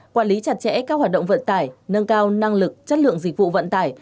quản lý chặt chẽ các hoạt động vận tải nâng cao năng lực chất lượng dịch vụ vận tải